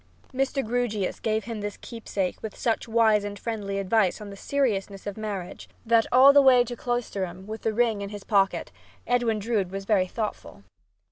Mr. Grewgious gave him this keepsake with such wise and friendly advice on the seriousness of marriage that all the way to Cloisterham with the ring in his pocket, Edwin Drood was very thoughtful.